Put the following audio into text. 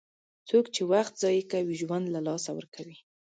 څوک چې وخت ضایع کوي، ژوند له لاسه ورکوي.